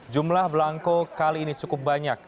jumlah belangko kali ini cukup banyak